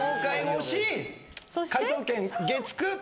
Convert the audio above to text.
解答権月９。